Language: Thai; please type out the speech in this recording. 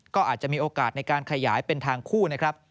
ก็อาจจะมีโอกาสในการขยายเป็นทางคู่นะครับ